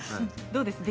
どうですか？